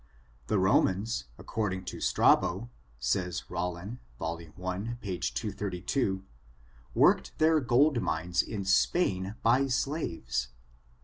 The Romans, according to Straho, says Rollin, Vol. I, page 232, worked their g )ld mines in Spain by slaves.